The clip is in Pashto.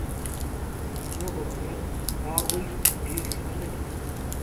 مستو به ویل دا بوی پرې ښه نه لګېږي.